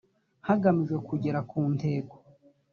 hagamijwe kugera ku ntego